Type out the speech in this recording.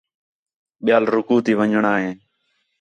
ٻِیال رکوع تی ون٘ڄݨاں ہِے